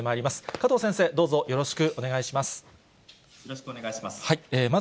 加藤先生、どうぞよろしくお願いよろしくお願いします。